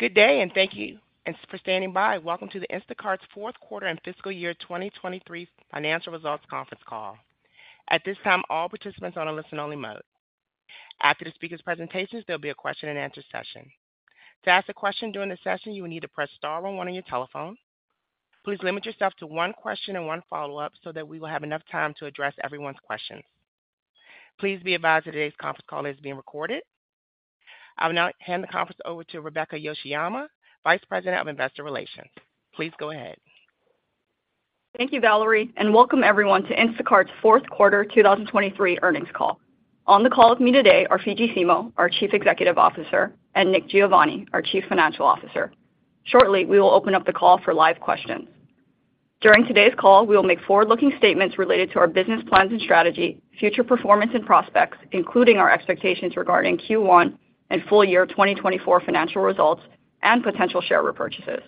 Good day, and thank you for standing by. Welcome to Instacart's Q4 and fiscal year 2023 financial results conference call. At this time, all participants are on a listen-only mode. After the speaker's presentations, there'll be a question-and-answer session. To ask a question during the session, you will need to press star one on your telephone. Please limit yourself to one question and one follow-up so that we will have enough time to address everyone's questions. Please be advised that today's conference call is being recorded. I will now hand the conference over to Rebecca Yoshiyama, Vice President of Investor Relations. Please go ahead. Thank you, Valerie, and welcome everyone to Instacart's Q4 2023 earnings call. On the call with me today are Fidji Simo, our Chief Executive Officer, and Nick Giovanni, our Chief Financial Officer. Shortly, we will open up the call for live questions. During today's call, we will make forward-looking statements related to our business plans and strategy, future performance and prospects, including our expectations regarding Q1 and full year 2024 financial results and potential share repurchases.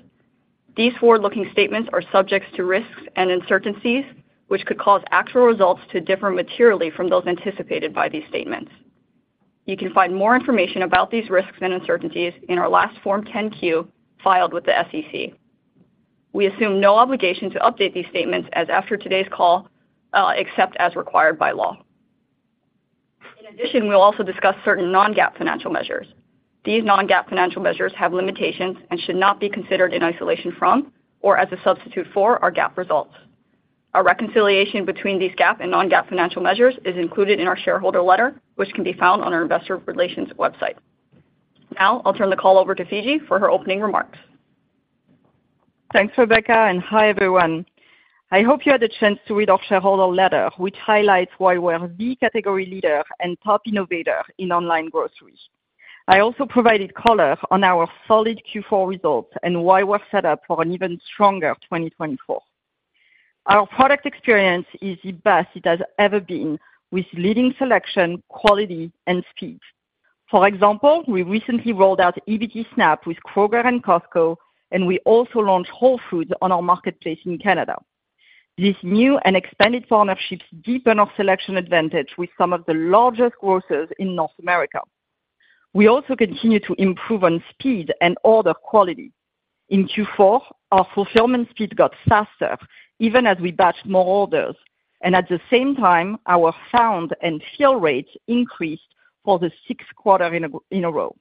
These forward-looking statements are subjects to risks and uncertainties, which could cause actual results to differ materially from those anticipated by these statements. You can find more information about these risks and uncertainties in our last Form 10-Q filed with the SEC. We assume no obligation to update these statements as after today's call, except as required by law. In addition, we'll also discuss certain non-GAAP financial measures. These non-GAAP financial measures have limitations and should not be considered in isolation from or as a substitute for our GAAP results. A reconciliation between these GAAP and non-GAAP financial measures is included in our shareholder letter, which can be found on our investor relations website. Now, I'll turn the call over to Fidji for her opening remarks. Thanks, Rebecca, and hi, everyone. I hope you had the chance to read our shareholder letter, which highlights why we're the category leader and top innovator in online grocery. I also provided color on our solid Q4 results and why we're set up for an even stronger 2024. Our product experience is the best it has ever been, with leading selection, quality, and speed. For example, we recently rolled out EBT SNAP with Kroger and Costco, and we also launched Whole Foods on our marketplace in Canada. These new and expanded partnerships deepen our selection advantage with some of the largest grocers in North America. We also continue to improve on speed and order quality. In Q4, our fulfillment speed got faster, even as we batched more orders, and at the same time, our found and fill rates increased for the sixth quarter in a row.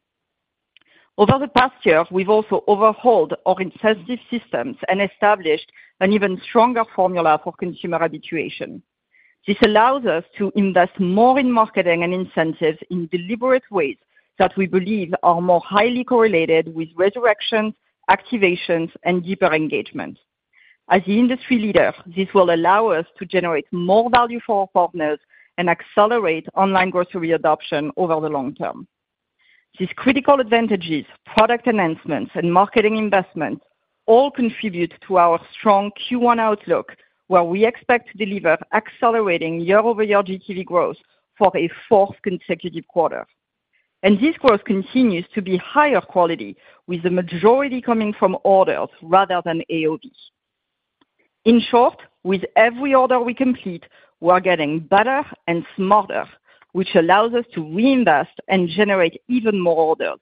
Over the past year, we've also overhauled our incentive systems and established an even stronger formula for consumer habituation. This allows us to invest more in marketing and incentives in deliberate ways that we believe are more highly correlated with resurrection, activations, and deeper engagement. As the industry leader, this will allow us to generate more value for our partners and accelerate online grocery adoption over the long term. These critical advantages, product enhancements, and marketing investments all contribute to our strong Q1 outlook, where we expect to deliver accelerating year-over-year GTV growth for a fourth consecutive quarter. And this growth continues to be higher quality, with the majority coming from orders rather than AOV. In short, with every order we complete, we're getting better and smarter, which allows us to reinvest and generate even more orders.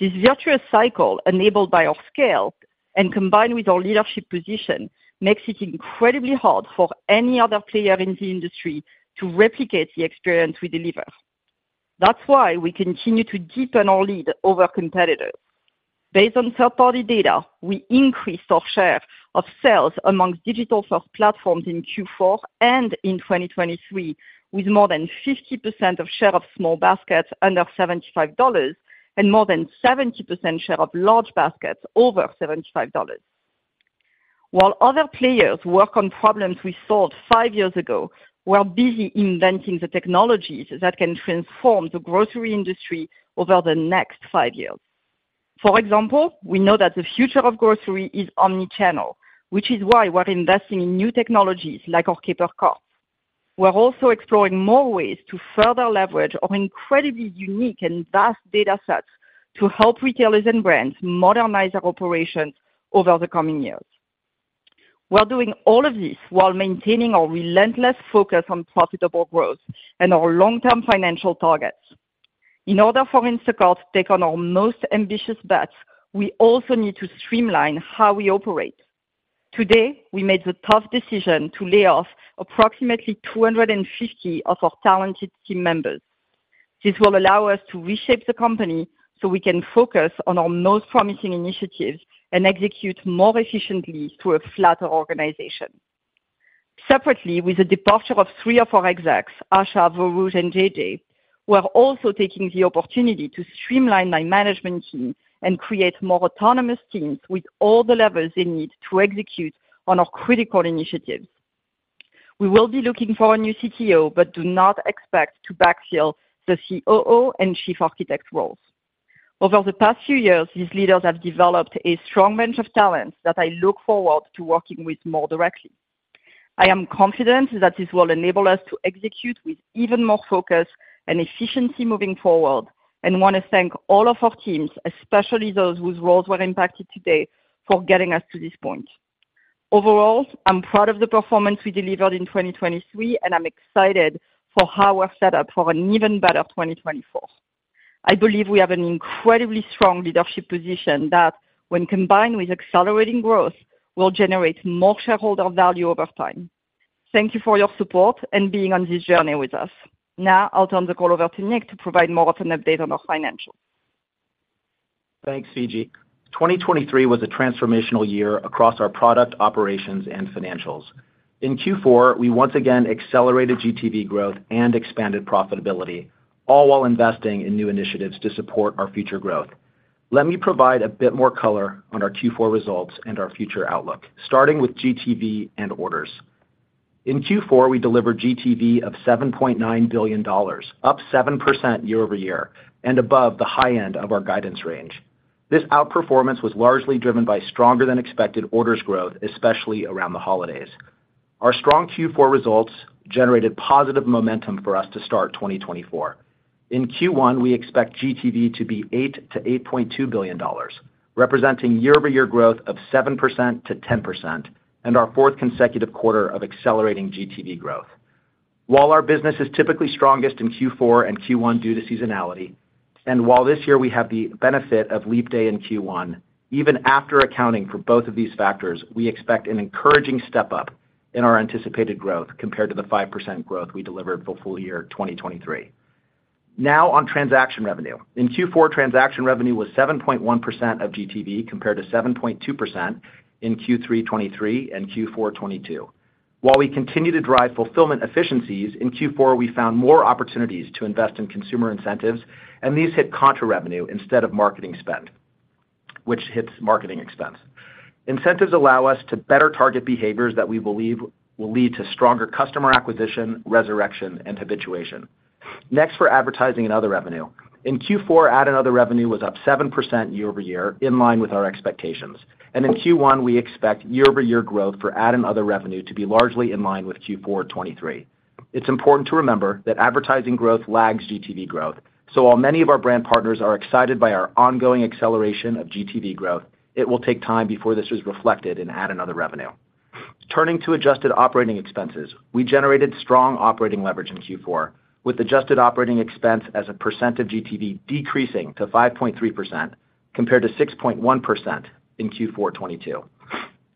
This virtuous cycle, enabled by our scale and combined with our leadership position, makes it incredibly hard for any other player in the industry to replicate the experience we deliver. That's why we continue to deepen our lead over competitors. Based on third-party data, we increased our share of sales amongst digital-first platforms in Q4 and in 2023, with more than 50% share of small baskets under $75 and more than 70% share of large baskets over $75. While other players work on problems we solved 5 years ago, we're busy inventing the technologies that can transform the grocery industry over the next 5 years. For example, we know that the future of grocery is omnichannel, which is why we're investing in new technologies like our Caper Cart. We're also exploring more ways to further leverage our incredibly unique and vast datasets to help retailers and brands modernize their operations over the coming years. We're doing all of this while maintaining our relentless focus on profitable growth and our long-term financial targets. In order for Instacart to take on our most ambitious bets, we also need to streamline how we operate. Today, we made the tough decision to lay off approximately 250 of our talented team members. This will allow us to reshape the company so we can focus on our most promising initiatives and execute more efficiently through a flatter organization. Separately, with the departure of three of our execs, Asha, Varouj, and JJ, we're also taking the opportunity to streamline my management team and create more autonomous teams with all the levels they need to execute on our critical initiatives. We will be looking for a new CTO, but do not expect to backfill the COO and chief architect roles. Over the past few years, these leaders have developed a strong bench of talents that I look forward to working with more directly. I am confident that this will enable us to execute with even more focus and efficiency moving forward, and want to thank all of our teams, especially those whose roles were impacted today, for getting us to this point. Overall, I'm proud of the performance we delivered in 2023, and I'm excited for how we're set up for an even better 2024. I believe we have an incredibly strong leadership position that, when combined with accelerating growth, will generate more shareholder value over time. Thank you for your support and being on this journey with us. Now I'll turn the call over to Nick to provide more of an update on our financials. Thanks, Fidji. 2023 was a transformational year across our product, operations, and financials. In Q4, we once again accelerated GTV growth and expanded profitability, all while investing in new initiatives to support our future growth. Let me provide a bit more color on our Q4 results and our future outlook, starting with GTV and orders. In Q4, we delivered GTV of $7.9 billion, up 7% year-over-year, and above the high end of our guidance range. This outperformance was largely driven by stronger than expected orders growth, especially around the holidays. Our strong Q4 results generated positive momentum for us to start 2024. In Q1, we expect GTV to be $8-8.2 billion, representing year-over-year growth of 7%-10%, and our fourth consecutive quarter of accelerating GTV growth. While our business is typically strongest in Q4 and Q1 due to seasonality, and while this year we have the benefit of leap day in Q1, even after accounting for both of these factors, we expect an encouraging step up in our anticipated growth compared to the 5% growth we delivered for full year 2023. Now on transaction revenue. In Q4, transaction revenue was 7.1% of GTV, compared to 7.2% in Q3 2023 and Q4 2022. While we continue to drive fulfillment efficiencies, in Q4, we found more opportunities to invest in consumer incentives, and these hit contra revenue instead of marketing spend, which hits marketing expense. Incentives allow us to better target behaviors that we believe will lead to stronger customer acquisition, resurrection, and habituation. Next, for advertising and other revenue. In Q4, ad and other revenue was up 7% year over year, in line with our expectations. In Q1, we expect year-over-year growth for ad and other revenue to be largely in line with Q4 2023. It's important to remember that advertising growth lags GTV growth. So while many of our brand partners are excited by our ongoing acceleration of GTV growth, it will take time before this is reflected in ad and other revenue. Turning to adjusted operating expenses, we generated strong operating leverage in Q4, with adjusted operating expense as a percent of GTV decreasing to 5.3%, compared to 6.1% in Q4 2022.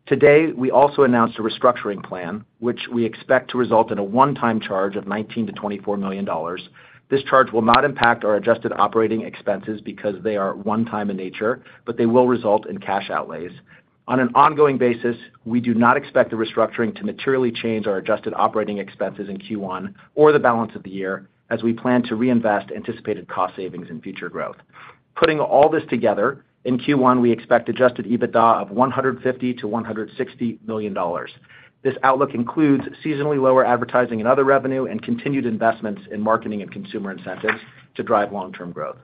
Today, we also announced a restructuring plan, which we expect to result in a one-time charge of $19-24 million. This charge will not impact our adjusted operating expenses because they are one time in nature, but they will result in cash outlays. On an ongoing basis, we do not expect the restructuring to materially change our adjusted operating expenses in Q1 or the balance of the year, as we plan to reinvest anticipated cost savings in future growth. Putting all this together, in Q1, we expect adjusted EBITDA of $150-160 million. This outlook includes seasonally lower advertising and other revenue, and continued investments in marketing and consumer incentives to drive long-term growth.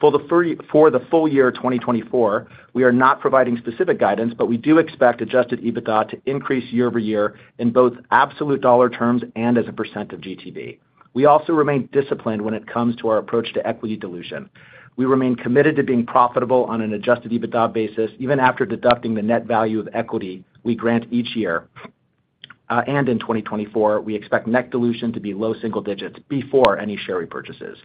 For the full year 2024, we are not providing specific guidance, but we do expect adjusted EBITDA to increase year over year in both absolute dollar terms and as a percent of GTV. We also remain disciplined when it comes to our approach to equity dilution. We remain committed to being profitable on an Adjusted EBITDA basis, even after deducting the net value of equity we grant each year. In 2024, we expect net dilution to be low single digits before any share repurchases.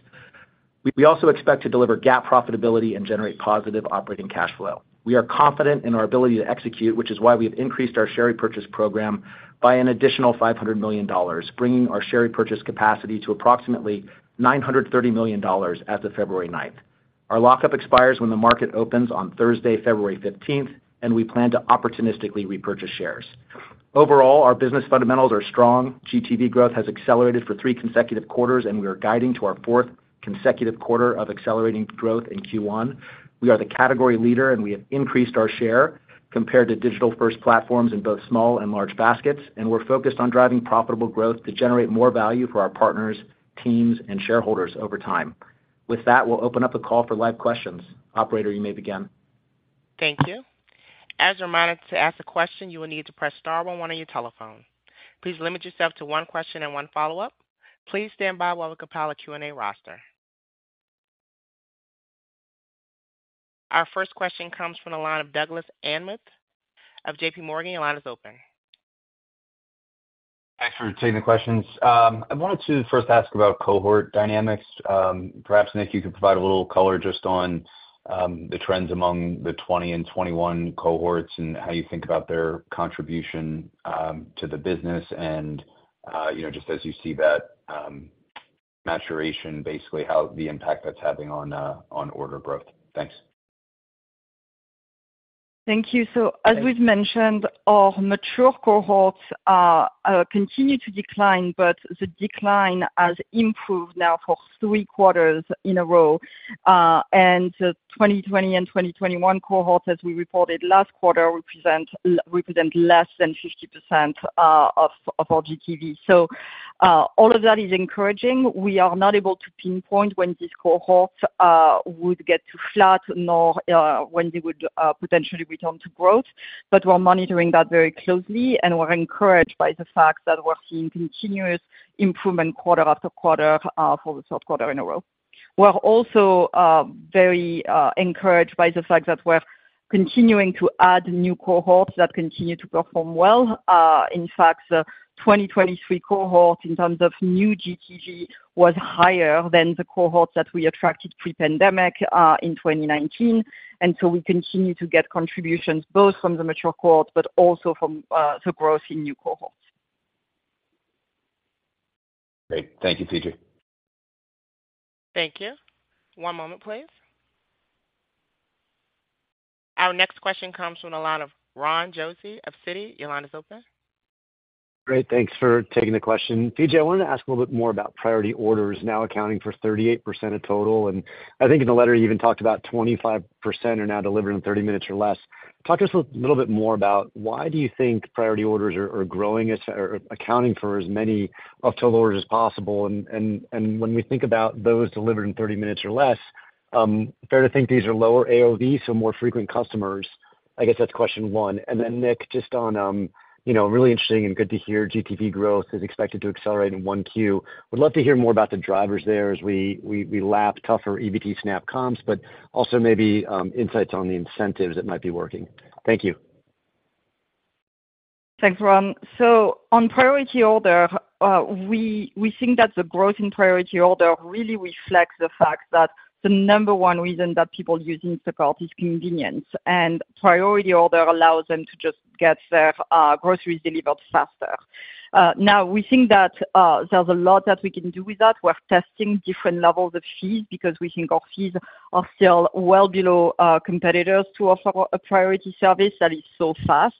We also expect to deliver GAAP profitability and generate positive operating cash flow. We are confident in our ability to execute, which is why we have increased our share repurchase program by an additional $500 million, bringing our share purchase capacity to approximately $930 million as of February ninth. Our lockup expires when the market opens on Thursday, February fifteenth, and we plan to opportunistically repurchase shares. Overall, our business fundamentals are strong. GTV growth has accelerated for three consecutive quarters, and we are guiding to our fourth consecutive quarter of accelerating growth in Q1. We are the category leader, and we have increased our share compared to digital-first platforms in both small and large baskets, and we're focused on driving profitable growth to generate more value for our partners, teams, and shareholders over time. With that, we'll open up the call for live questions. Operator, you may begin. Thank you. As a reminder, to ask a question, you will need to press star one one on your telephone. Please limit yourself to one question and one follow-up. Please stand by while we compile a Q&A roster. Our first question comes from the line of Douglas Anmuth of JP Morgan. Your line is open. Thanks for taking the questions. I wanted to first ask about cohort dynamics. Perhaps, Nick, you could provide a little color just on the trends among the 20 and 21 cohorts and how you think about their contribution to the business. And you know, just as you see that maturation, basically how the impact that's having on order growth. Thanks. Thank you. So as we've mentioned, our mature cohorts continue to decline, but the decline has improved now for three quarters in a row. And the 2020 and 2021 cohorts, as we reported last quarter, represent less than 50% of our GTV. So all of that is encouraging. We are not able to pinpoint when these cohorts would get to flat, nor when they would potentially return to growth, but we're monitoring that very closely, and we're encouraged by the fact that we're seeing continuous improvement quarter after quarter for the Q3 in a row. We're also very encouraged by the fact that we're continuing to add new cohorts that continue to perform well. In fact, the 2023 cohort, in terms of new GTV, was higher than the cohorts that we attracted pre-pandemic, in 2019. And so we continue to get contributions, both from the mature cohorts but also from the growth in new cohorts. Great. Thank you, Fidji. Thank you. One moment, please. Our next question comes from the line of Ron Josey of Citi. Your line is open. Great, thanks for taking the question. Fidji, I wanted to ask a little bit more about priority orders now accounting for 38% of total. And I think in the letter, you even talked about 25% are now delivered in 30 minutes or less. Talk to us a little bit more about why do you think priority orders are growing as or accounting for as many of total orders as possible? And when we think about those delivered in 30 minutes or less, fair to think these are lower AOV, so more frequent customers? I guess that's question one. And then, Nick, just on, you know, really interesting and good to hear GTV growth is expected to accelerate in 1Q. Would love to hear more about the drivers there as we lap tougher EBT SNAP comps, but also maybe insights on the incentives that might be working. Thank you. Thanks, Ron. So on priority order, we think that the growth in priority order really reflects the fact that the number one reason that people using Instacart is convenience, and priority order allows them to just get their groceries delivered faster. Now, we think that there's a lot that we can do with that. We're testing different levels of fees because we think our fees are still well below our competitors to offer a priority service that is so fast.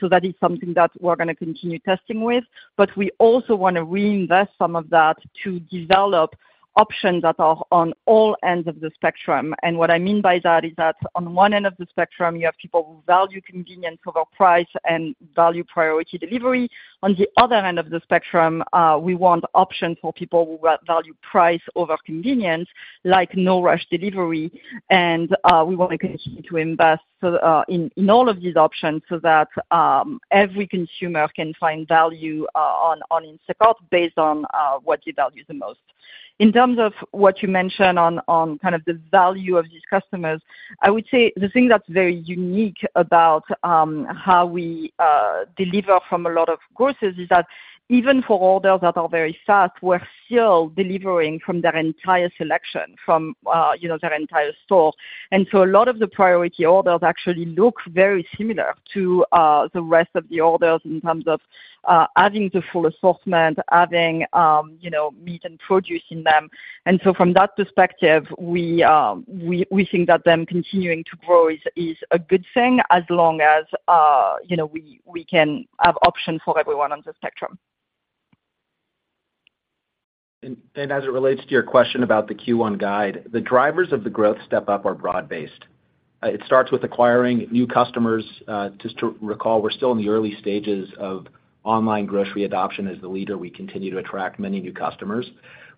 So that is something that we're gonna continue testing with. But we also wanna reinvest some of that to develop options that are on all ends of the spectrum. And what I mean by that is that on one end of the spectrum, you have people who value convenience over price and value priority delivery. On the other end of the spectrum, we want options for people who value price over convenience, like no rush delivery. And, we want to continue to invest, so, in all of these options so that every consumer can find value, on Instacart based on what they value the most. In terms of what you mentioned on kind of the value of these customers, I would say the thing that's very unique about how we deliver from a lot of groceries is that even for orders that are very fast, we're still delivering from their entire selection, from you know, their entire store. And so a lot of the priority orders actually look very similar to the rest of the orders in terms of adding the full assortment, adding, you know, meat and produce in them. And so from that perspective, we think that them continuing to grow is a good thing as long as, you know, we can have options for everyone on the spectrum. As it relates to your question about the Q1 guide, the drivers of the growth step up are broad-based. It starts with acquiring new customers. Just to recall, we're still in the early stages of online grocery adoption. As the leader, we continue to attract many new customers.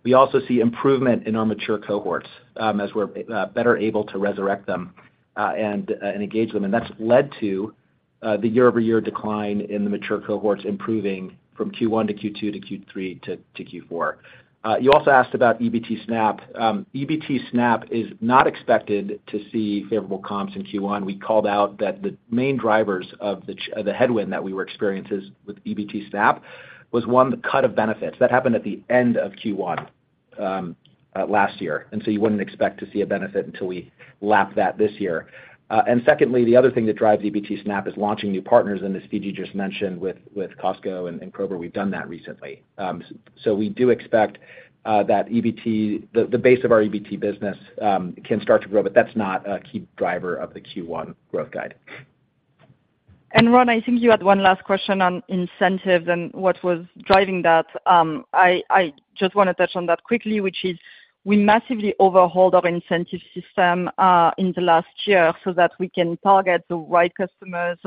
We also see improvement in our mature cohorts, as we're better able to resurrect them, and engage them. And that's led to the year-over-year decline in the mature cohorts improving from Q1 to Q2 to Q3 to Q4. You also asked about EBT SNAP. EBT SNAP is not expected to see favorable comps in Q1. We called out that the main drivers of the headwind that we were experiencing with EBT SNAP was, one, the cut of benefits. That happened at the end of Q1 last year, and so you wouldn't expect to see a benefit until we lap that this year. And secondly, the other thing that drives EBT SNAP is launching new partners, and as Fidji just mentioned, with Costco and Kroger, we've done that recently. So we do expect that EBT, the base of our EBT business, can start to grow, but that's not a key driver of the Q1 growth guide. Ron, I think you had one last question on incentives and what was driving that. I, I just wanna touch on that quickly, which is, we massively overhauled our incentive system, in the last year so that we can target the right customers,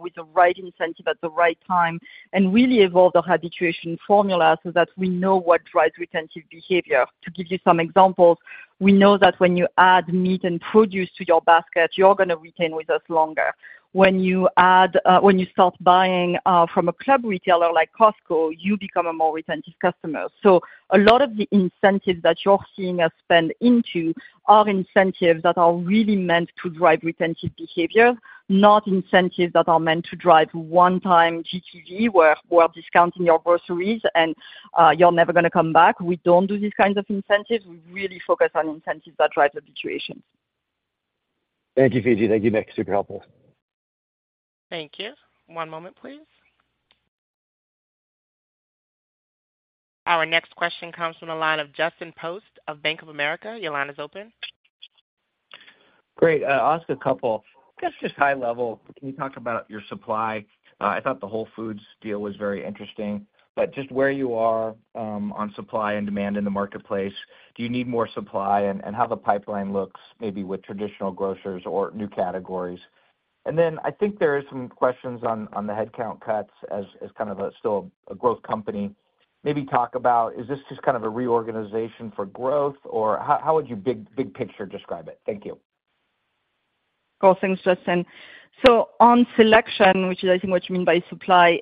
with the right incentive at the right time, and really evolve the habituation formula so that we know what drives retentive behavior. To give you some examples, we know that when you add meat and produce to your basket, you're gonna retain with us longer. When you start buying, from a club retailer like Costco, you become a more retentive customer. So a lot of the incentives that you're seeing us spend into are incentives that are really meant to drive retentive behavior, not incentives that are meant to drive one-time GTV, where we're discounting your groceries and you're never gonna come back. We don't do these kinds of incentives. We really focus on incentives that drive habituation. Thank you, Fidji. Thank you, Nick. Super helpful. Thank you. One moment, please. Our next question comes from the line of Justin Post of Bank of America. Your line is open. Great, I'll ask a couple. I guess, just high level, can you talk about your supply? I thought the Whole Foods deal was very interesting, but just where you are on supply and demand in the marketplace, do you need more supply? And how the pipeline looks, maybe with traditional grocers or new categories. And then I think there are some questions on the headcount cuts as kind of a still a growth company. Maybe talk about, is this just kind of a reorganization for growth, or how would you big picture describe it? Thank you.... Cool, thanks, Justin. So on selection, which is I think what you mean by supply,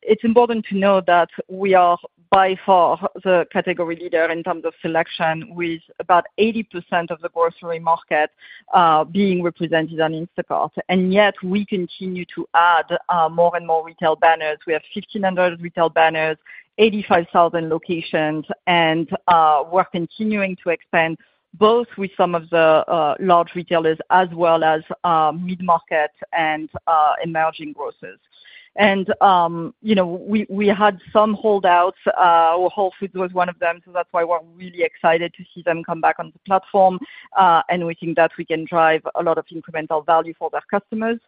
it's important to know that we are by far the category leader in terms of selection, with about 80% of the grocery market being represented on Instacart. And yet we continue to add more and more retail banners. We have 1,500 retail banners, 85,000 locations, and we're continuing to expand both with some of the large retailers as well as mid-market and emerging grocers. And, you know, we had some holdouts, Whole Foods was one of them, so that's why we're really excited to see them come back on the platform. And we think that we can drive a lot of incremental value for their customers.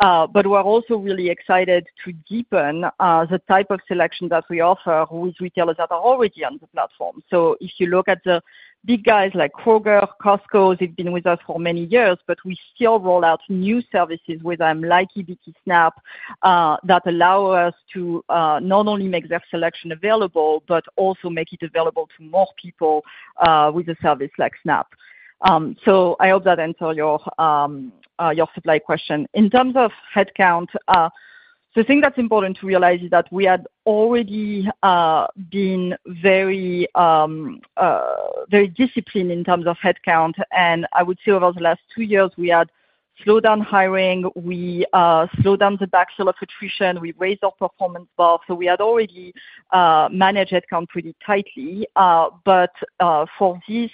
But we're also really excited to deepen the type of selection that we offer with retailers that are already on the platform. So if you look at the big guys like Kroger, Costco, they've been with us for many years, but we still roll out new services with them, like EBT SNAP, that allow us to not only make their selection available, but also make it available to more people with a service like SNAP. So I hope that answered your supply question. In terms of headcount, the thing that's important to realize is that we had already been very disciplined in terms of headcount, and I would say over the last two years, we had slowed down hiring. We slowed down the backfill of attrition. We raised our performance bar, so we had already managed headcount pretty tightly. But for this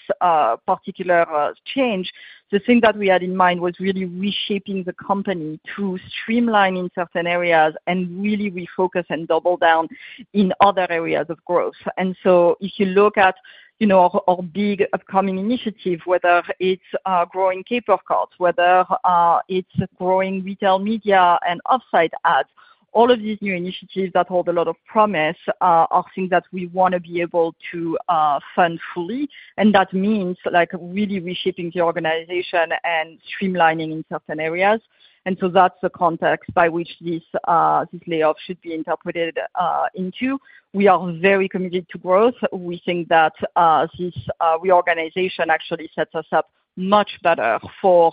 particular change, the thing that we had in mind was really reshaping the company through streamlining certain areas and really refocus and double down in other areas of growth. And so if you look at, you know, our big upcoming initiative, whether it's growing Caper Carts, whether it's growing retail media and offsite ads, all of these new initiatives that hold a lot of promise are things that we wanna be able to fund fully, and that means like, really reshaping the organization and streamlining in certain areas. And so that's the context by which this layoff should be interpreted into. We are very committed to growth. We think that this reorganization actually sets us up much better for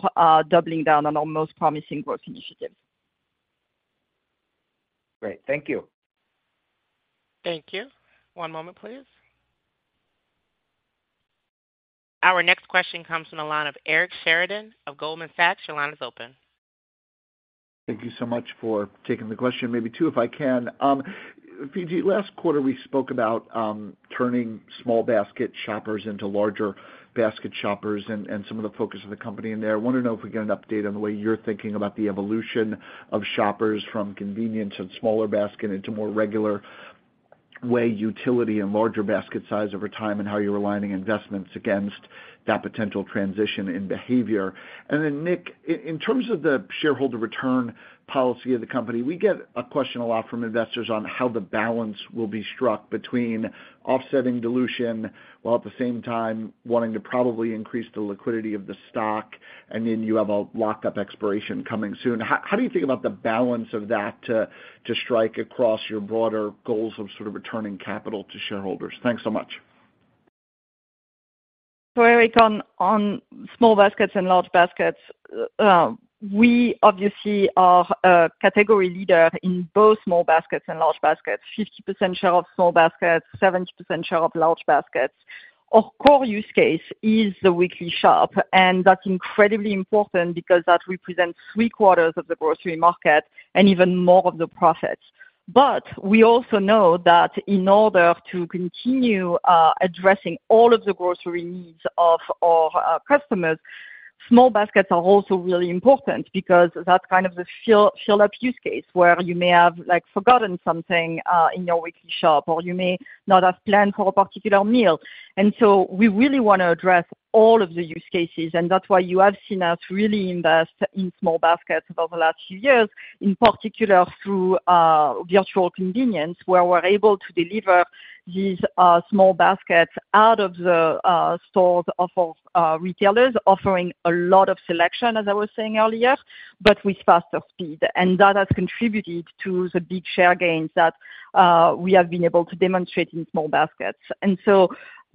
doubling down on our most promising growth initiatives. Great. Thank you. Thank you. One moment, please. Our next question comes from the line of Eric Sheridan of Goldman Sachs. Your line is open. Thank you so much for taking the question. Maybe two, if I can. PG, last quarter, we spoke about turning small basket shoppers into larger basket shoppers and some of the focus of the company in there. I wanna know if we can get an update on the way you're thinking about the evolution of shoppers from convenience and smaller basket into more regular way, utility and larger basket size over time, and how you're aligning investments against that potential transition in behavior. And then, Nick, in terms of the shareholder return policy of the company, we get a question a lot from investors on how the balance will be struck between offsetting dilution, while at the same time wanting to probably increase the liquidity of the stock, and then you have a lockup expiration coming soon. How do you think about the balance of that to strike across your broader goals of sort of returning capital to shareholders? Thanks so much. So, Eric, on small baskets and large baskets, we obviously are a category leader in both small baskets and large baskets. 50% share of small baskets, 70% share of large baskets. Our core use case is the weekly shop, and that's incredibly important because that represents three quarters of the grocery market and even more of the profits. But we also know that in order to continue addressing all of the grocery needs of our customers, small baskets are also really important because that's kind of the fill-up use case, where you may have, like, forgotten something in your weekly shop, or you may not have planned for a particular meal. So we really wanna address all of the use cases, and that's why you have seen us really invest in small baskets over the last few years, in particular through virtual convenience, where we're able to deliver these small baskets out of the stores of retailers, offering a lot of selection, as I was saying earlier, but with faster speed. That has contributed to the big share gains that we have been able to demonstrate in small baskets.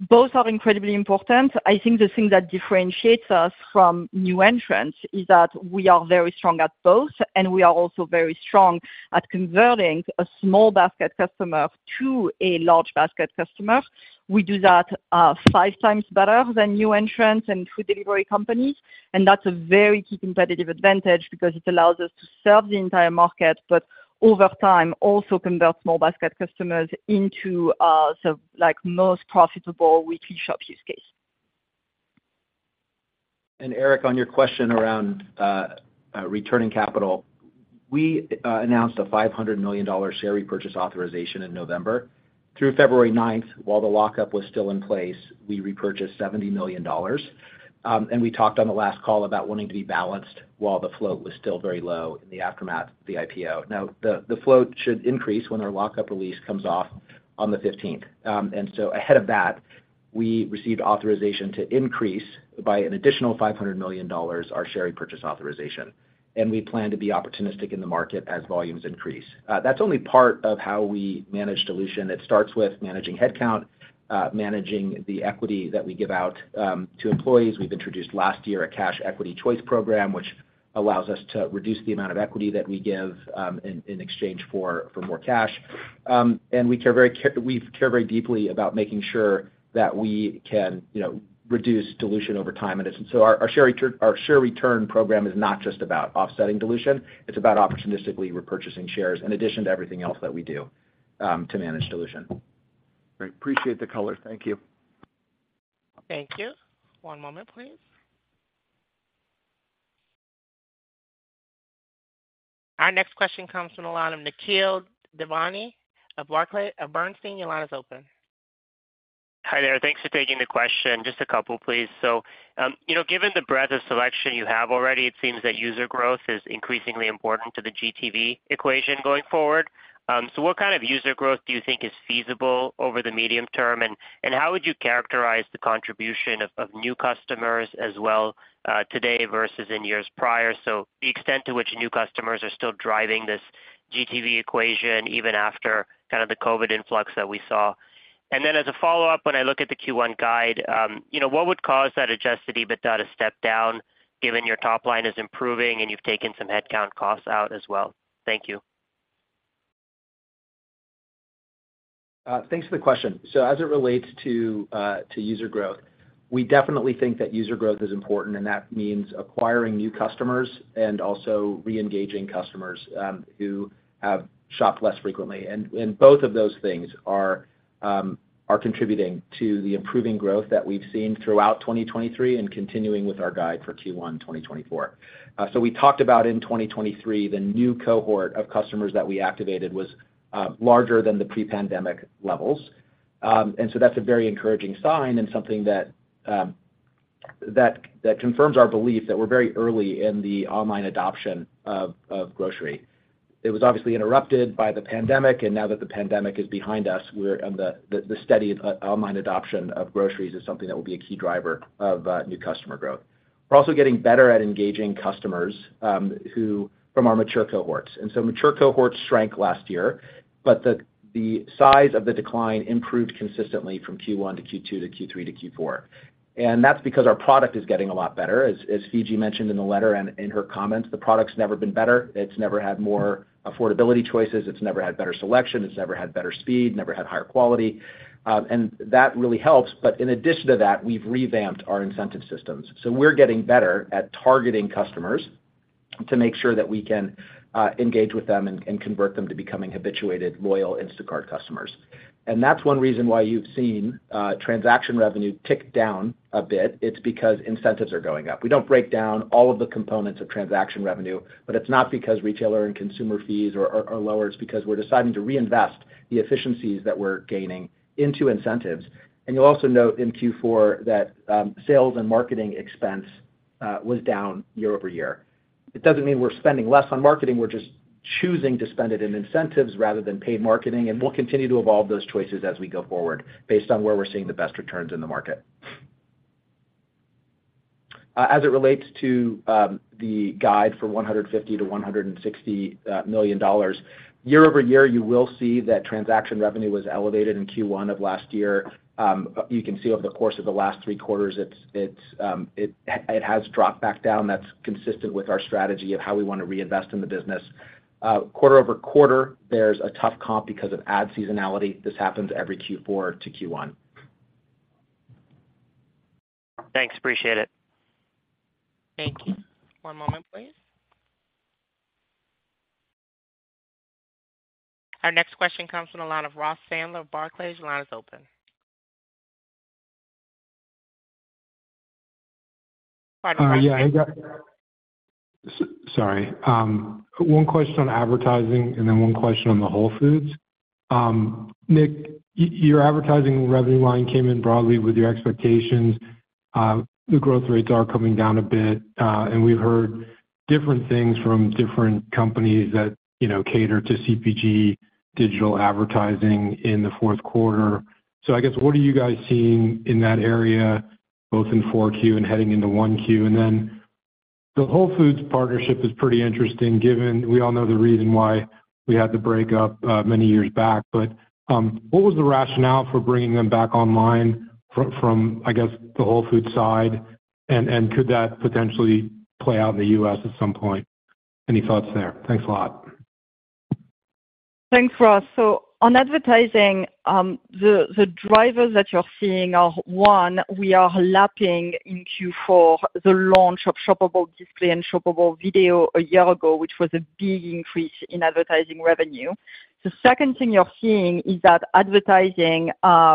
Both are incredibly important. I think the thing that differentiates us from new entrants is that we are very strong at both, and we are also very strong at converting a small basket customer to a large basket customer. We do that 5 times better than new entrants and food delivery companies, and that's a very key competitive advantage because it allows us to serve the entire market, but over time, also convert small basket customers into so like most profitable weekly shop use case. And Eric, on your question around returning capital, we announced a $500 million share repurchase authorization in November. Through February ninth, while the lockup was still in place, we repurchased $70 million, and we talked on the last call about wanting to be balanced while the float was still very low in the aftermath of the IPO. Now, the float should increase when our lockup release comes off on the fifteenth. And so ahead of that, we received authorization to increase by an additional $500 million our share repurchase authorization... and we plan to be opportunistic in the market as volumes increase. That's only part of how we manage dilution. It starts with managing headcount, managing the equity that we give out to employees. We've introduced last year a cash equity choice program, which allows us to reduce the amount of equity that we give in exchange for more cash. And we care very deeply about making sure that we can, you know, reduce dilution over time. And so our share return program is not just about offsetting dilution, it's about opportunistically repurchasing shares in addition to everything else that we do to manage dilution. Great, appreciate the color. Thank you. Thank you. One moment, please. Our next question comes from the line of Nikhil Devnani of Bernstein. Your line is open. Hi there. Thanks for taking the question. Just a couple, please. So, you know, given the breadth of selection you have already, it seems that user growth is increasingly important to the GTV equation going forward. So what kind of user growth do you think is feasible over the medium term? And, and how would you characterize the contribution of, of new customers as well, today versus in years prior? So the extent to which new customers are still driving this GTV equation, even after kind of the COVID influx that we saw. And then as a follow-up, when I look at the Q1 guide, you know, what would cause that adjusted EBITDA to step down, given your top line is improving and you've taken some headcount costs out as well? Thank you. Thanks for the question. So as it relates to user growth, we definitely think that user growth is important, and that means acquiring new customers and also reengaging customers who have shopped less frequently. And both of those things are contributing to the improving growth that we've seen throughout 2023 and continuing with our guide for Q1 2024. So we talked about in 2023, the new cohort of customers that we activated was larger than the pre-pandemic levels. And so that's a very encouraging sign and something that confirms our belief that we're very early in the online adoption of grocery. It was obviously interrupted by the pandemic, and now that the pandemic is behind us, we're, and the steady of online adoption of groceries is something that will be a key driver of new customer growth. We're also getting better at engaging customers who from our mature cohorts. And so mature cohorts shrank last year, but the size of the decline improved consistently from Q1 to Q2 to Q3 to Q4. And that's because our product is getting a lot better. As Fidji mentioned in the letter and in her comments, the product's never been better. It's never had more affordability choices, it's never had better selection, it's never had better speed, never had higher quality, and that really helps. But in addition to that, we've revamped our incentive systems. So we're getting better at targeting customers to make sure that we can engage with them and convert them to becoming habituated, loyal Instacart customers. And that's one reason why you've seen transaction revenue tick down a bit. It's because incentives are going up. We don't break down all of the components of transaction revenue, but it's not because retailer and consumer fees are, are lower. It's because we're deciding to reinvest the efficiencies that we're gaining into incentives. And you'll also note in Q4 that sales and marketing expense was down year-over-year. It doesn't mean we're spending less on marketing, we're just choosing to spend it in incentives rather than paid marketing, and we'll continue to evolve those choices as we go forward, based on where we're seeing the best returns in the market. As it relates to the guide for $150-160 million year-over-year, you will see that transaction revenue was elevated in Q1 of last year. You can see over the course of the last three quarters, it has dropped back down. That's consistent with our strategy of how we want to reinvest in the business. Quarter-over-quarter, there's a tough comp because of ad seasonality. This happens every Q4 to Q1. Thanks, appreciate it. Thank you. One moment, please. Our next question comes from the line of Ross Sandler of Barclays. Your line is open. Pardon the question. Yeah, sorry. One question on advertising and then one question on the Whole Foods. Nick, your advertising revenue line came in broadly with your expectations. The growth rates are coming down a bit, and we've heard different things from different companies that, you know, cater to CPG digital advertising in the Q4. So I guess, what are you guys seeing in that area, both in 4Q and heading into 1Q? And then, the Whole Foods partnership is pretty interesting, given we all know the reason why we had the breakup, many years back. But, what was the rationale for bringing them back online from, I guess, the Whole Foods side? And could that potentially play out in the U.S. at some point? Any thoughts there? Thanks a lot. Thanks, Ross. So on advertising, the drivers that you're seeing are: One, we are lapping in Q4 the launch of shoppable display and shoppable video a year ago, which was a big increase in advertising revenue. The second thing you're seeing is that advertising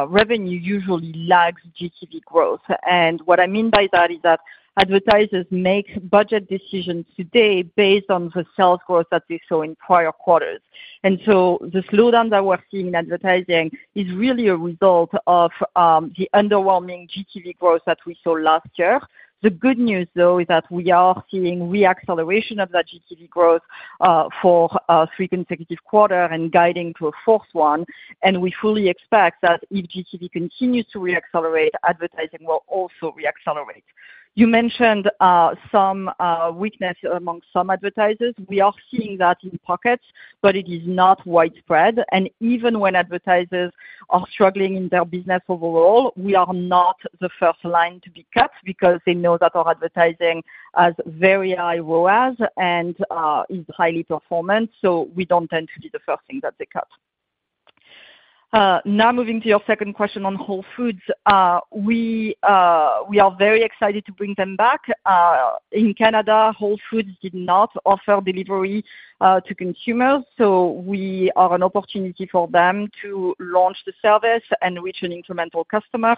revenue usually lags GTV growth. And what I mean by that is that advertisers make budget decisions today based on the sales growth that we saw in prior quarters. And so the slowdown that we're seeing in advertising is really a result of the underwhelming GTV growth that we saw last year. The good news, though, is that we are seeing re-acceleration of that GTV growth for three consecutive quarter and guiding to a fourth one, and we fully expect that if GTV continues to re-accelerate, advertising will also re-accelerate. You mentioned some weakness among some advertisers. We are seeing that in pockets, but it is not widespread. Even when advertisers are struggling in their business overall, we are not the first line to be cut because they know that our advertising has very high ROAS and is highly performant, so we don't tend to be the first thing that they cut. Now moving to your second question on Whole Foods. We are very excited to bring them back. In Canada, Whole Foods did not offer delivery to consumers, so we are an opportunity for them to launch the service and reach an incremental customer.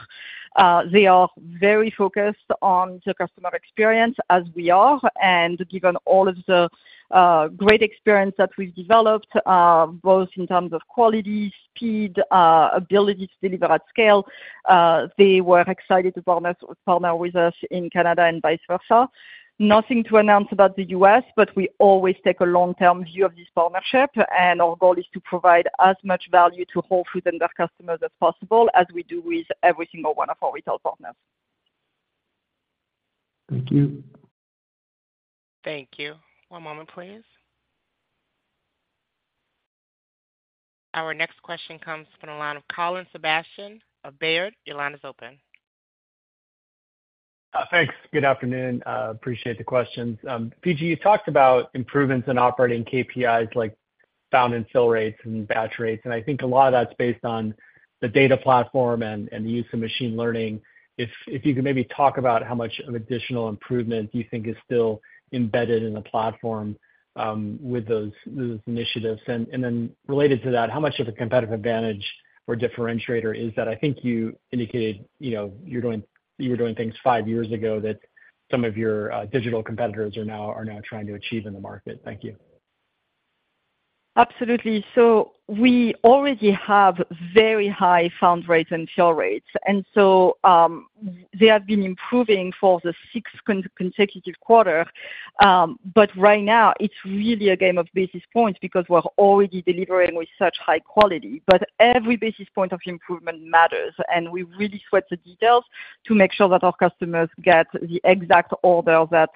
They are very focused on the customer experience as we are, and given all of the great experience that we've developed both in terms of quality, speed, ability to deliver at scale, they were excited to partner, partner with us in Canada and vice versa. Nothing to announce about the U.S., but we always take a long-term view of this partnership, and our goal is to provide as much value to Whole Foods and their customers as possible, as we do with every single one of our retail partners. Thank you. Thank you. One moment, please. Our next question comes from the line of Colin Sebastian of Baird. Your line is open. Thanks. Good afternoon. Appreciate the questions. Fidji, you talked about improvements in operating KPIs, like found and fill rates and batch rates, and I think a lot of that's based on the data platform and the use of machine learning. If you can maybe talk about how much of additional improvement do you think is still embedded in the platform with those initiatives? And then related to that, how much of a competitive advantage or differentiator is that? I think you indicated, you know, you were doing things five years ago that some of your digital competitors are now trying to achieve in the market. Thank you. Absolutely. So we already have very high found rates and fill rates, and so, they have been improving for the sixth consecutive quarter. But right now, it's really a game of basis points because we're already delivering with such high quality. But every basis point of improvement matters, and we really sweat the details to make sure that our customers get the exact order that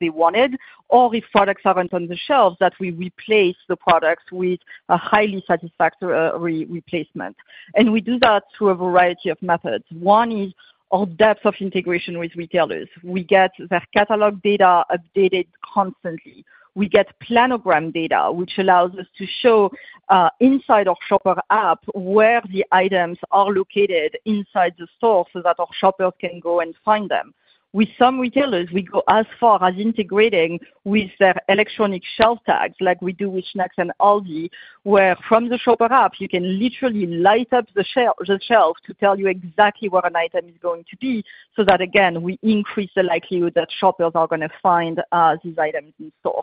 they wanted, or if products aren't on the shelves, that we replace the products with a highly satisfactory replacement. And we do that through a variety of methods. One is our depth of integration with retailers. We get their catalog data updated constantly. We get planogram data, which allows us to show inside our shopper app where the items are located inside the store so that our shoppers can go and find them. With some retailers, we go as far as integrating with their electronic shelf tags, like we do with Schnucks and ALDI, where from the shopper app, you can literally light up the shelf to tell you exactly where an item is going to be, so that again, we increase the likelihood that shoppers are gonna find these items in store.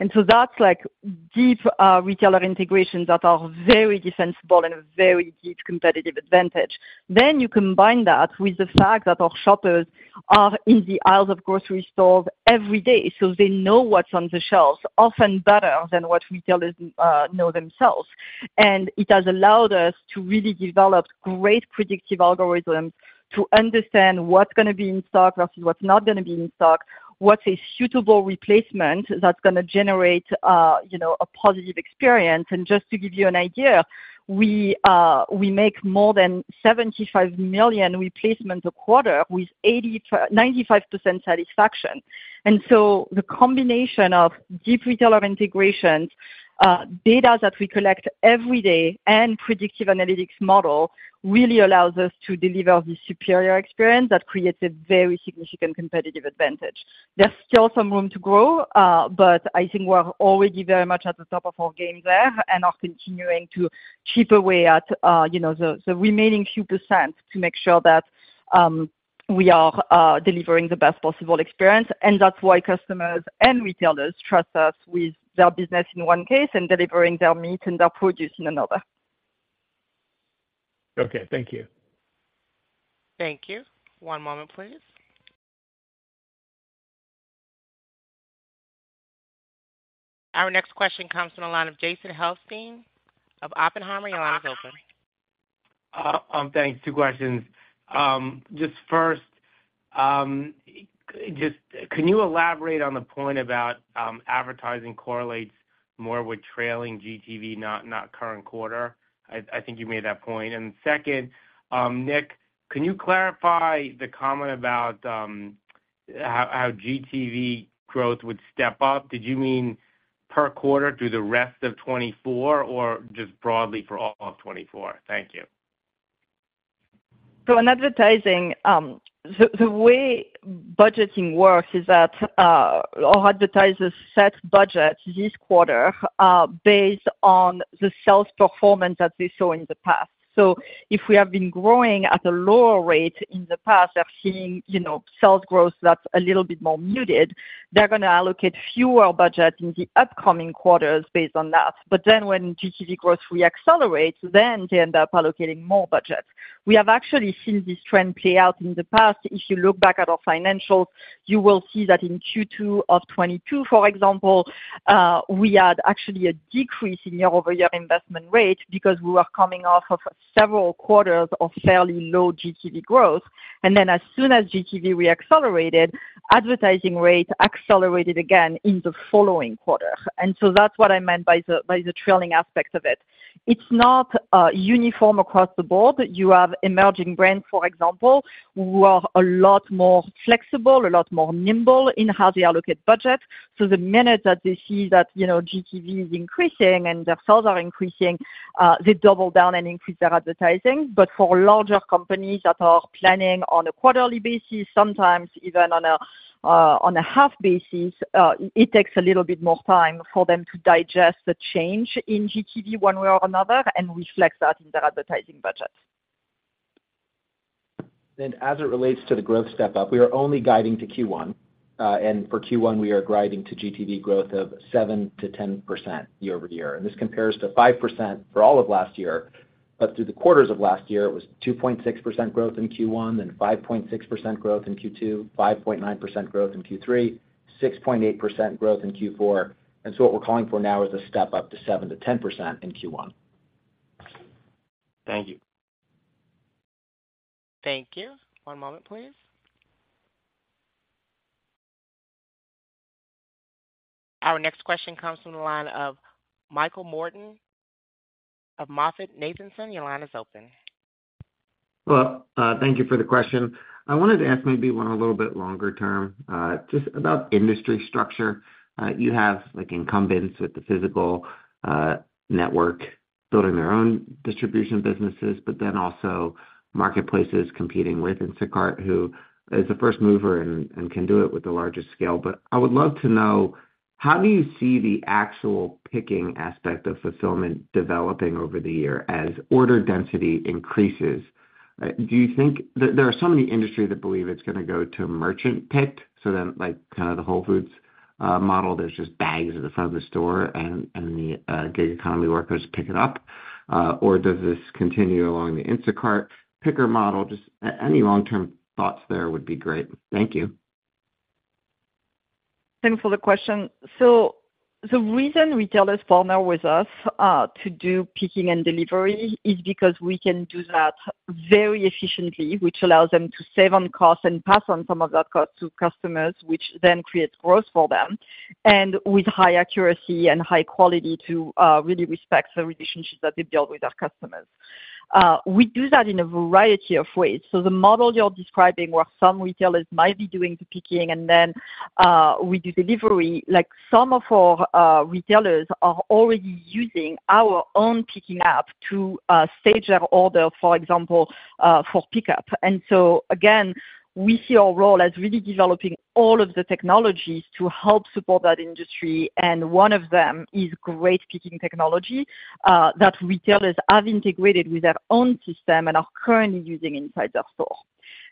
And so that's like deep retailer integrations that are very defensible and a very deep competitive advantage. Then you combine that with the fact that our shoppers are in the aisles of grocery stores every day, so they know what's on the shelves, often better than what retailers know themselves. It has allowed us to really develop great predictive algorithms to understand what's gonna be in stock versus what's not gonna be in stock, what's a suitable replacement that's gonna generate, you know, a positive experience. Just to give you an idea, we, we make more than 75 million replacements a quarter with 80%-95% satisfaction. So the combination of deep retailer integrations, data that we collect every day, and predictive analytics model really allows us to deliver this superior experience that creates a very significant competitive advantage. There's still some room to grow, but I think we're already very much at the top of our game there and are continuing to chip away at, you know, the remaining few % to make sure that we are delivering the best possible experience. And that's why customers and retailers trust us with their business in one case and delivering their meat and their produce in another. Okay, thank you. Thank you. One moment, please. Our next question comes from the line of Jason Helfstein of Oppenheimer. Your line is open. Thanks. Two questions. Just first, just can you elaborate on the point about advertising correlates more with trailing GTV, not current quarter? I, I think you made that point. And second, Nick, can you clarify the comment about how, how GTV growth would step up? Did you mean per quarter through the rest of 2024, or just broadly for all of 2024? Thank you. So in advertising, the way budgeting works is that our advertisers set budgets this quarter based on the sales performance that they saw in the past. So if we have been growing at a lower rate in the past, they're seeing, you know, sales growth that's a little bit more muted, they're gonna allocate fewer budget in the upcoming quarters based on that. But then when GTV growth re-accelerates, then they end up allocating more budgets. We have actually seen this trend play out in the past. If you look back at our financials, you will see that in Q2 of 2022, for example, we had actually a decrease in year-over-year investment rate because we were coming off of several quarters of fairly low GTV growth. And then as soon as GTV re-accelerated, advertising rate accelerated again in the following quarter. And so that's what I meant by the, by the trailing aspects of it. It's not uniform across the board. You have emerging brands, for example, who are a lot more flexible, a lot more nimble in how they allocate budget. So the minute that they see that, you know, GTV is increasing and their sales are increasing, they double down and increase their advertising. But for larger companies that are planning on a quarterly basis, sometimes even on a half basis, it takes a little bit more time for them to digest the change in GTV one way or another and reflect that in their advertising budgets.... Then as it relates to the growth step up, we are only guiding to Q1. For Q1, we are guiding to GTV growth of 7%-10% year-over-year. And this compares to 5% for all of last year. But through the quarters of last year, it was 2.6% growth in Q1, then 5.6% growth in Q2, 5.9% growth in Q3, 6.8% growth in Q4. And so what we're calling for now is a step up to 7%-10% in Q1. Thank you. Thank you. One moment, please. Our next question comes from the line of Michael Morton of MoffettNathanson. Your line is open. Well, thank you for the question. I wanted to ask maybe one a little bit longer term, just about industry structure. You have, like, incumbents with the physical, network building their own distribution businesses, but then also marketplaces competing with Instacart, who is the first mover and, and can do it with the largest scale. But I would love to know: how do you see the actual picking aspect of fulfillment developing over the year as order density increases? Do you think... There, there are some in the industry that believe it's gonna go to merchant-picked, so then, like, kind of the Whole Foods, model. There's just bags at the front of the store, and, and the, gig economy workers pick it up. Or does this continue along the Instacart picker model? Just any long-term thoughts there would be great. Thank you. Thanks for the question. So the reason retailers partner with us to do picking and delivery is because we can do that very efficiently, which allows them to save on costs and pass on some of that cost to customers, which then creates growth for them, and with high accuracy and high quality to really respect the relationships that they build with their customers. We do that in a variety of ways. So the model you're describing, where some retailers might be doing the picking and then we do delivery, like, some of our retailers are already using our own picking app to stage their order, for example, for pickup. So again, we see our role as really developing all of the technologies to help support that industry, and one of them is great picking technology that retailers have integrated with their own system and are currently using inside their store.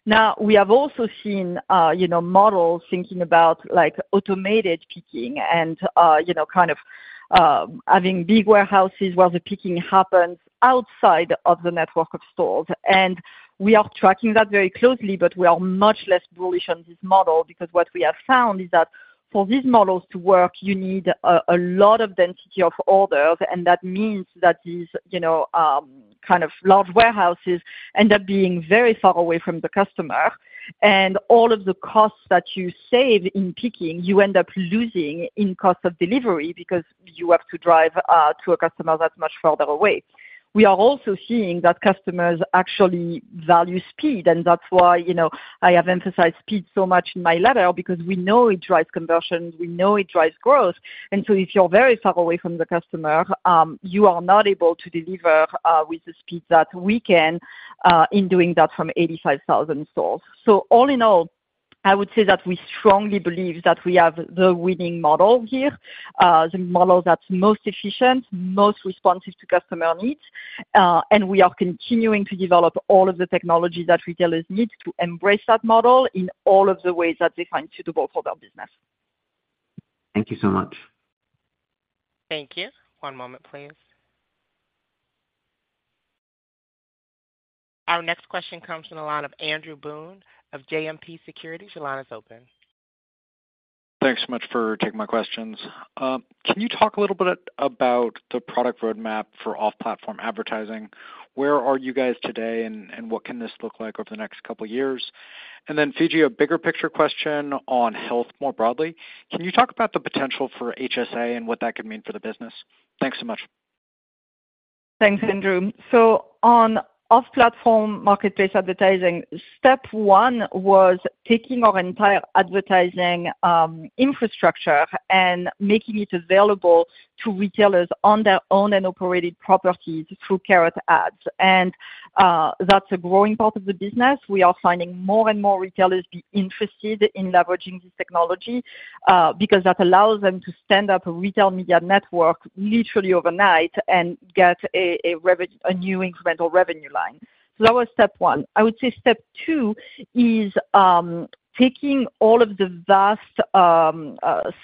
Now, we have also seen, you know, models thinking about, like, automated picking and, you know, kind of having big warehouses where the picking happens outside of the network of stores. We are tracking that very closely, but we are much less bullish on this model because what we have found is that for these models to work, you need a lot of density of orders, and that means that these, you know, kind of large warehouses end up being very far away from the customer. All of the costs that you save in picking, you end up losing in cost of delivery because you have to drive to a customer that's much further away. We are also seeing that customers actually value speed, and that's why, you know, I have emphasized speed so much in my letter because we know it drives conversion, we know it drives growth. So if you're very far away from the customer, you are not able to deliver with the speed that we can in doing that from 85,000 stores. All in all, I would say that we strongly believe that we have the winning model here, the model that's most efficient, most responsive to customer needs. We are continuing to develop all of the technology that retailers need to embrace that model in all of the ways that they find suitable for their business. Thank you so much. Thank you. One moment, please. Our next question comes from the line of Andrew Boone of JMP Securities. Your line is open. Thanks so much for taking my questions. Can you talk a little bit about the product roadmap for off-platform advertising? Where are you guys today, and, and what can this look like over the next couple years? And then, Fidji, a bigger picture question on health more broadly. Can you talk about the potential for HSA and what that could mean for the business? Thanks so much. Thanks, Andrew. So on off-platform marketplace advertising, step one was taking our entire advertising infrastructure and making it available to retailers on their own and operated properties through Carrot Ads. And that's a growing part of the business. We are finding more and more retailers be interested in leveraging this technology because that allows them to stand up a retail media network literally overnight and get a new incremental revenue line. So that was step one. I would say step two is taking all of the vast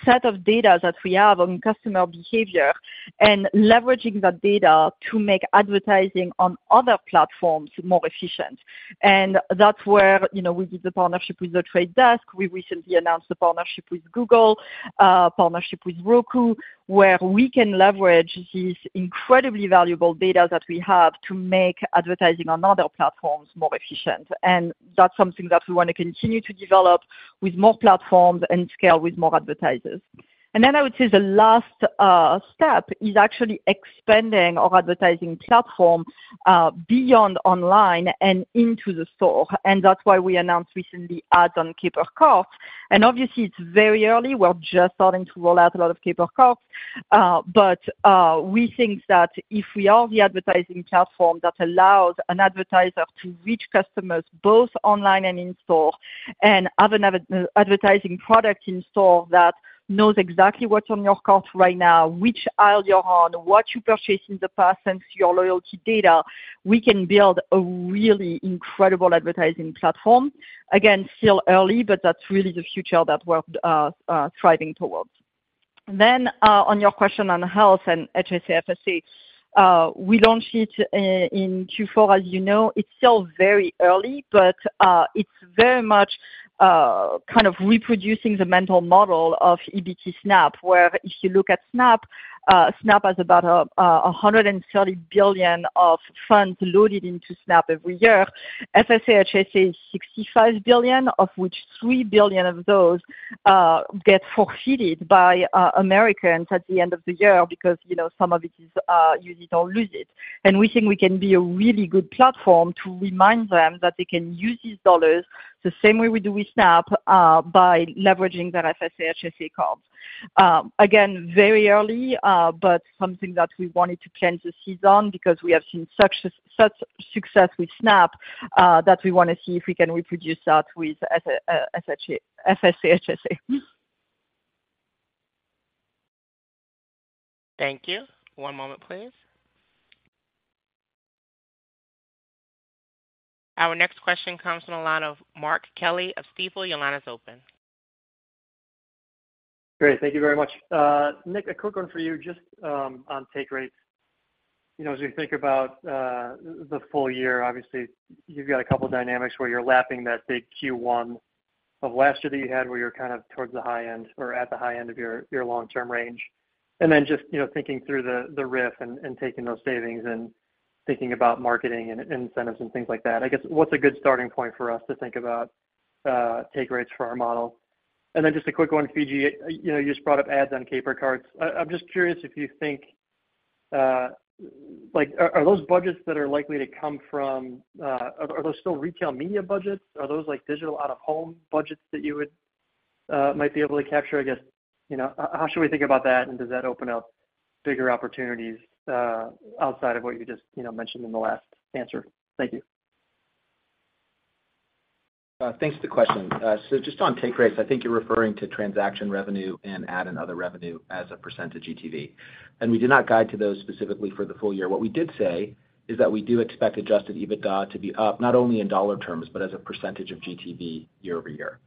set of data that we have on customer behavior and leveraging that data to make advertising on other platforms more efficient. And that's where, you know, we did the partnership with The Trade Desk. We recently announced a partnership with Google, a partnership with Roku, where we can leverage this incredibly valuable data that we have to make advertising on other platforms more efficient. And that's something that we want to continue to develop with more platforms and scale with more advertisers. And then I would say the last step is actually expanding our advertising platform beyond online and into the store, and that's why we announced recently ads on Caper Carts. And obviously, it's very early. We're just starting to roll out a lot of Caper Carts. But we think that if we are the advertising platform that allows an advertiser to reach customers both online and in-store, and have an advertising product in store that knows exactly what's on your cart right now, which aisle you're on, what you purchased in the past, thanks to your loyalty data, we can build a really incredible advertising platform. Again, still early, but that's really the future that we're striving towards. Then, on your question on health and HSA/FSA, we launched it in Q4, as you know. It's still very early, but it's very much kind of reproducing the mental model of EBT SNAP, where if you look at SNAP, SNAP has about $130 billion of funds loaded into SNAP every year. FSA/HSA, $65 billion, of which $3 billion of those get forfeited by Americans at the end of the year because, you know, some of it is use it or lose it. And we think we can be a really good platform to remind them that they can use these dollars the same way we do with SNAP by leveraging their FSA/HSA accounts. Again, very early, but something that we wanted to plant the seeds on because we have seen such success with SNAP that we wanna see if we can reproduce that with FSA/HSA. Thank you. One moment, please. Our next question comes from the line of Mark Kelley of Stifel. Your line is open. Great, thank you very much. Nick, a quick one for you, just, on take rates. You know, as we think about, the full year, obviously, you've got a couple dynamics where you're lapping that big Q1 of last year that you had, where you're kind of towards the high end or at the high end of your, your long-term range. And then just, you know, thinking through the RIF and taking those savings and thinking about marketing and incentives and things like that. I guess, what's a good starting point for us to think about, take rates for our model? And then just a quick one, Fidji. You know, you just brought up ads on Caper Carts. I'm just curious if you think, like, are those budgets that are likely to come from... Are those still retail media budgets? Are those, like, digital out-of-home budgets that you would might be able to capture? I guess, you know, how should we think about that, and does that open up bigger opportunities outside of what you just, you know, mentioned in the last answer? Thank you. Thanks for the question. So just on take rates, I think you're referring to transaction revenue and ad and other revenue as a percentage of GTV, and we did not guide to those specifically for the full year. What we did say is that we do expect adjusted EBITDA to be up, not only in dollar terms, but as a percentage of GTV year-over-year.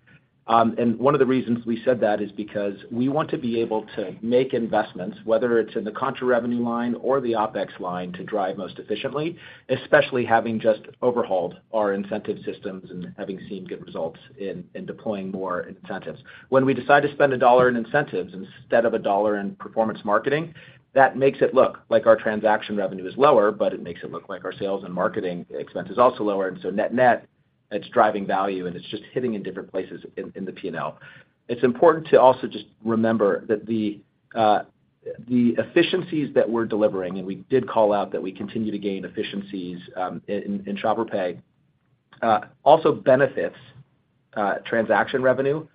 And one of the reasons we said that is because we want to be able to make investments, whether it's in the contra revenue line or the OpEx line, to drive most efficiently, especially having just overhauled our incentive systems and having seen good results in deploying more incentives. When we decide to spend a dollar in incentives instead of a dollar in performance marketing, that makes it look like our transaction revenue is lower, but it makes it look like our sales and marketing expense is also lower, and so net-net, it's driving value, and it's just hitting in different places in, in the P&L. It's important to also just remember that the, the efficiencies that we're delivering, and we did call out that we continue to gain efficiencies, in, in shopper pay, also benefits, transaction revenue.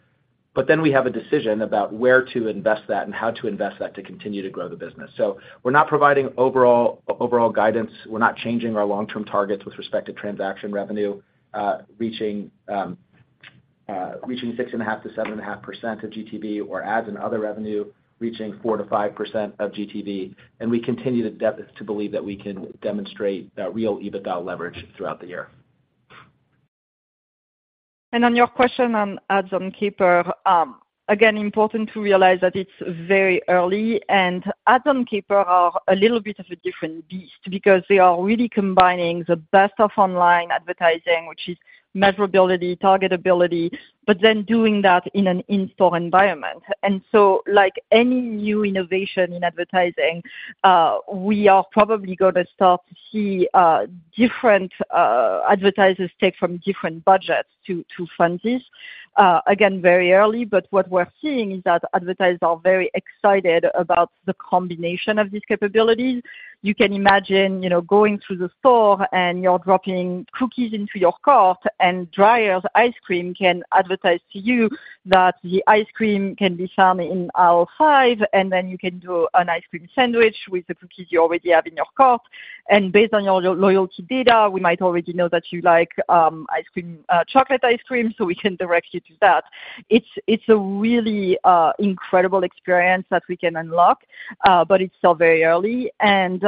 But then we have a decision about where to invest that and how to invest that to continue to grow the business. So we're not providing overall, overall guidance. We're not changing our long-term targets with respect to transaction revenue reaching 6.5%-7.5% of GTV or ads and other revenue reaching 4%-5% of GTV. We continue to believe that we can demonstrate that real EBITDA leverage throughout the year. On your question on ads on Caper, again, important to realize that it's very early, and ads on Caper are a little bit of a different beast because they are really combining the best of online advertising, which is measurability, targetability, but then doing that in an in-store environment. So like any new innovation in advertising, we are probably gonna start to see different advertisers take from different budgets to fund this. Again, very early, but what we're seeing is that advertisers are very excited about the combination of these capabilities. You can imagine, you know, going to the store, and you're dropping cookies into your cart, and Dreyer's Ice Cream can advertise to you that the ice cream can be found in aisle five, and then you can do an ice cream sandwich with the cookies you already have in your cart. And based on your loyalty data, we might already know that you like, ice cream, chocolate ice cream, so we can direct you to that. It's, it's a really, incredible experience that we can unlock, but it's still very early. And,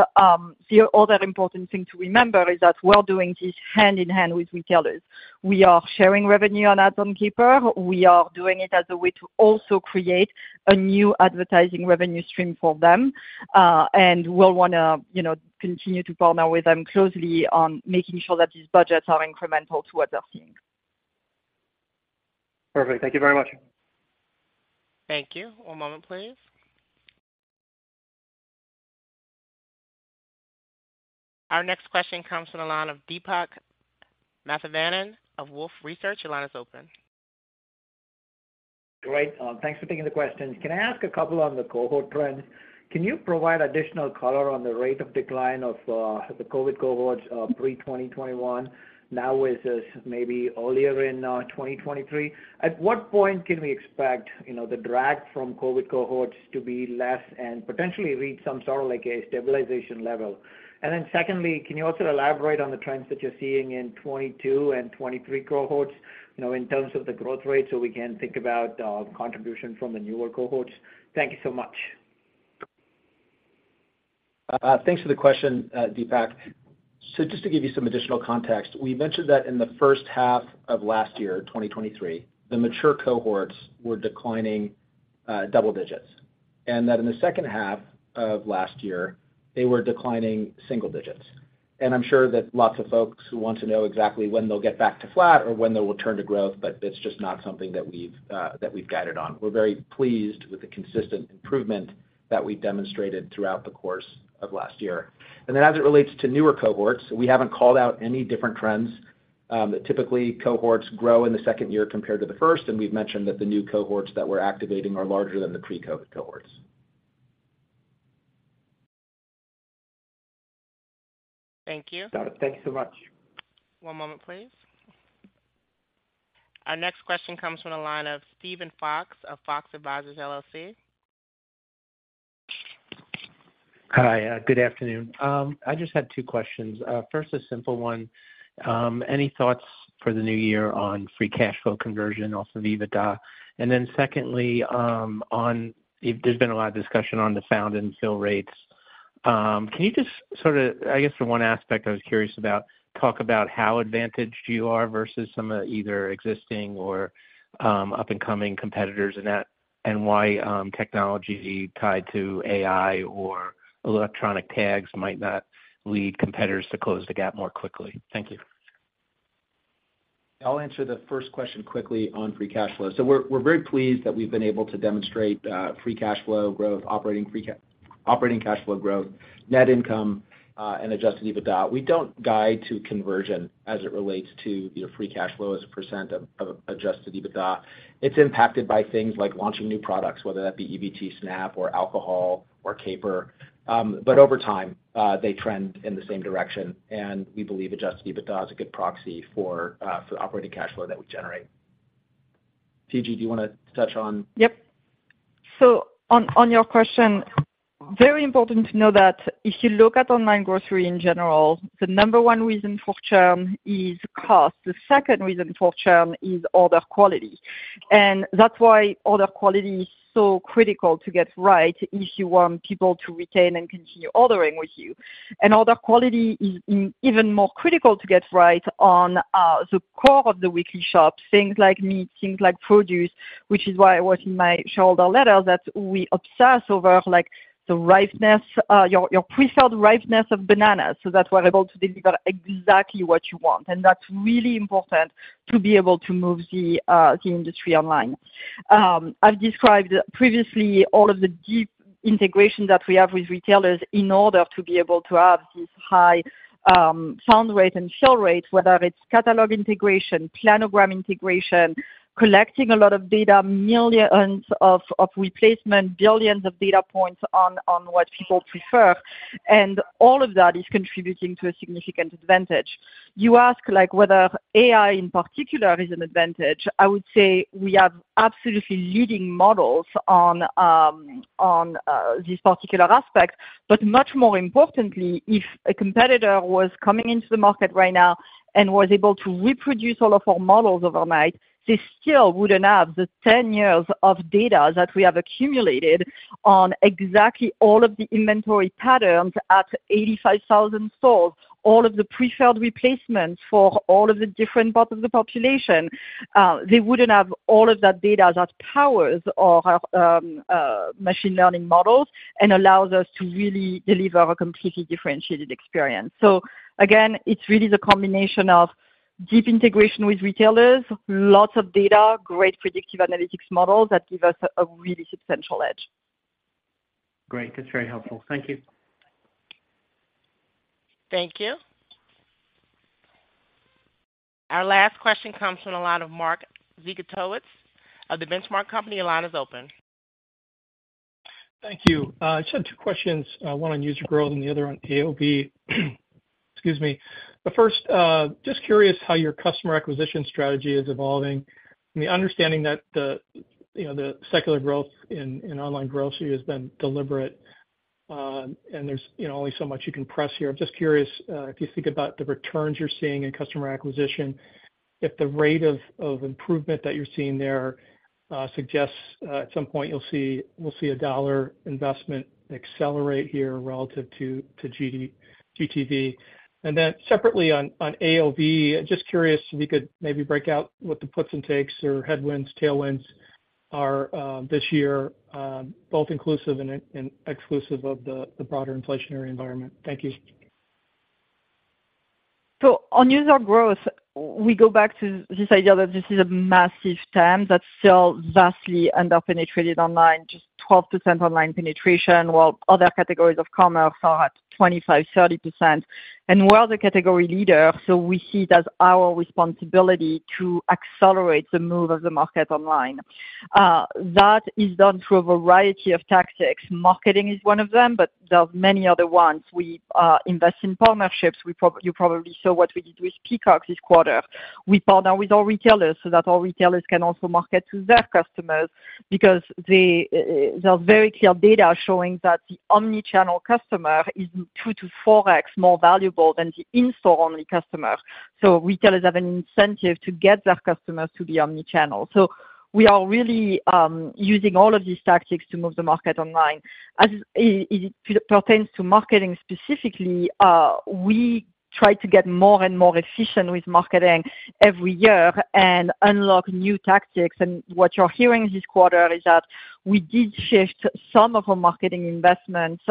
the other important thing to remember is that we're doing this hand in hand with retailers. We are sharing revenue on ads on Caper. We are doing it as a way to also create a new advertising revenue stream for them. We'll wanna, you know, continue to partner with them closely on making sure that these budgets are incremental to what they're seeing. Perfect. Thank you very much. Thank you. One moment, please. Our next question comes from the line of Deepak Mathivanan of Wolfe Research. Your line is open.... Great. Thanks for taking the questions. Can I ask a couple on the cohort trends? Can you provide additional color on the rate of decline of the COVID cohorts pre-2021, now versus maybe earlier in 2023? At what point can we expect, you know, the drag from COVID cohorts to be less and potentially reach some sort of, like, a stabilization level? And then secondly, can you also elaborate on the trends that you're seeing in 2022 and 2023 cohorts, you know, in terms of the growth rate, so we can think about contribution from the newer cohorts? Thank you so much. Thanks for the question, Deepak. So just to give you some additional context, we mentioned that in the first half of last year, 2023, the mature cohorts were declining double digits. And that in the second half of last year, they were declining single digits. I'm sure that lots of folks want to know exactly when they'll get back to flat or when they will return to growth, but it's just not something that we've guided on. We're very pleased with the consistent improvement that we've demonstrated throughout the course of last year. Then as it relates to newer cohorts, we haven't called out any different trends. But typically, cohorts grow in the second year compared to the first, and we've mentioned that the new cohorts that we're activating are larger than the pre-COVID cohorts. Thank you. Got it. Thank you so much. One moment, please. Our next question comes from the line of Steven Fox of Fox Advisors LLC. Hi, good afternoon. I just had two questions. First, a simple one. Any thoughts for the new year on free cash flow conversion, also EBITDA? And then secondly, there's been a lot of discussion on the found and fill rates. Can you just sort of, I guess, the one aspect I was curious about, talk about how advantaged you are versus some of the either existing or up-and-coming competitors in that, and why technology tied to AI or electronic tags might not lead competitors to close the gap more quickly? Thank you. I'll answer the first question quickly on free cash flow. So we're very pleased that we've been able to demonstrate free cash flow growth, operating cash flow growth, net income, and adjusted EBITDA. We don't guide to conversion as it relates to your free cash flow as a percent of adjusted EBITDA. It's impacted by things like launching new products, whether that be EBT SNAP or alcohol or Caper. But over time, they trend in the same direction, and we believe adjusted EBITDA is a good proxy for the operating cash flow that we generate. TG, do you want to touch on? Yep. So on your question, very important to know that if you look at online grocery in general, the number one reason for churn is cost. The second reason for churn is order quality. And that's why order quality is so critical to get right if you want people to retain and continue ordering with you. And order quality is even more critical to get right on the core of the weekly shops, things like meat, things like produce, which is why it was in my shareholder letter, that we obsess over, like, the ripeness, your preferred ripeness of bananas, so that we're able to deliver exactly what you want. And that's really important to be able to move the industry online. I've described previously all of the deep integration that we have with retailers in order to be able to have this high found rate and fill rate, whether it's catalog integration, planogram integration, collecting a lot of data, millions of replacement, billions of data points on what people prefer, and all of that is contributing to a significant advantage. You ask, like, whether AI, in particular, is an advantage. I would say we have absolutely leading models on this particular aspect. But much more importantly, if a competitor was coming into the market right now and was able to reproduce all of our models overnight, they still wouldn't have the 10 years of data that we have accumulated on exactly all of the inventory patterns at 85,000 stores, all of the pre-filled replacements for all of the different parts of the population. They wouldn't have all of that data that powers our machine learning models and allows us to really deliver a completely differentiated experience. So again, it's really the combination of deep integration with retailers, lots of data, great predictive analytics models that give us a really substantial edge. Great. That's very helpful. Thank you. Thank you. Our last question comes from the line of Mark Zgutowicz of the Benchmark Company. Your line is open. Thank you. I just had two questions, one on user growth and the other on AOV. Excuse me. But first, just curious how your customer acquisition strategy is evolving. I mean, understanding that the, you know, the secular growth in online grocery has been deliberate, and there's, you know, only so much you can press here. I'm just curious, if you think about the returns you're seeing in customer acquisition, if the rate of improvement that you're seeing there, suggests, at some point you'll see- we'll see a dollar investment accelerate here relative to, to GTV. And then separately, on AOV, just curious if you could maybe break out what the puts and takes or headwinds, tailwinds are, this year, both inclusive and exclusive of the broader inflationary environment. Thank you.... So on user growth, we go back to this idea that this is a massive TAM that's still vastly under-penetrated online, just 12% online penetration, while other categories of commerce are at 25-30%. And we're the category leader, so we see it as our responsibility to accelerate the move of the market online. That is done through a variety of tactics. Marketing is one of them, but there are many other ones. We invest in partnerships. You probably saw what we did with Peacock this quarter. We partner with our retailers so that our retailers can also market to their customers because they, there are very clear data showing that the omni-channel customer is 2-4x more valuable than the in-store only customer. So retailers have an incentive to get their customers to be omni-channel. We are really using all of these tactics to move the market online. As it pertains to marketing specifically, we try to get more and more efficient with marketing every year and unlock new tactics. What you're hearing this quarter is that we did shift some of our marketing investments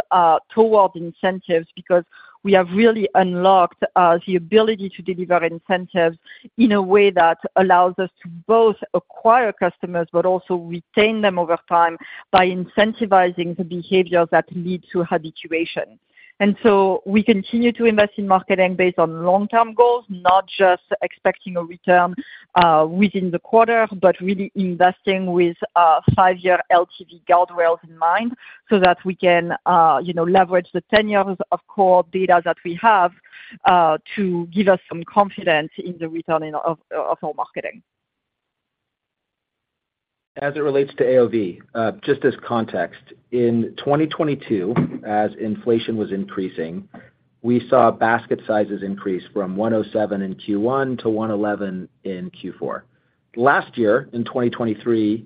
towards incentives because we have really unlocked the ability to deliver incentives in a way that allows us to both acquire customers but also retain them over time by incentivizing the behaviors that lead to habituation. We continue to invest in marketing based on long-term goals, not just expecting a return within the quarter, but really investing with five-year LTV guardrails in mind, so that we can, you know, leverage the ten years of core data that we have to give us some confidence in the return on our marketing. As it relates to AOV, just as context, in 2022, as inflation was increasing, we saw basket sizes increase from 107 in Q1 to 111 in Q4. Last year, in 2023,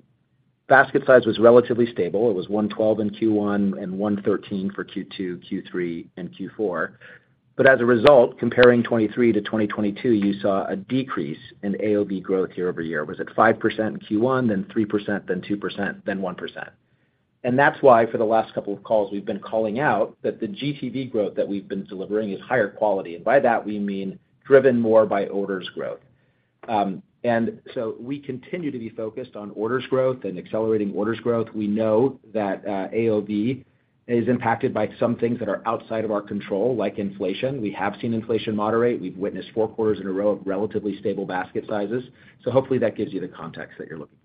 basket size was relatively stable. It was 112 in Q1 and 113 for Q2, Q3, and Q4. But as a result, comparing 2023 to 2022, you saw a decrease in AOV growth year over year. It was at 5% in Q1, then 3%, then 2%, then 1%. And that's why for the last couple of calls, we've been calling out that the GTV growth that we've been delivering is higher quality, and by that we mean driven more by orders growth. And so we continue to be focused on orders growth and accelerating orders growth. We know that AOV is impacted by some things that are outside of our control, like inflation. We have seen inflation moderate. We've witnessed four quarters in a row of relatively stable basket sizes, so hopefully that gives you the context that you're looking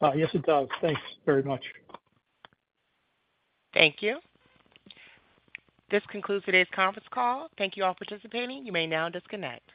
for. Yes, it does. Thanks very much. Thank you. This concludes today's conference call. Thank you all for participating. You may now disconnect.